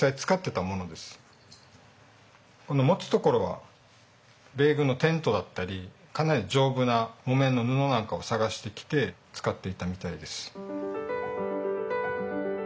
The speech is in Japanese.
この持つところは米軍のテントだったりかなり丈夫な木綿の布なんかを探してきて使っていたみたいです。